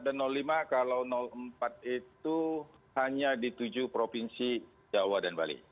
ada lima kalau empat itu hanya di tujuh provinsi jawa dan bali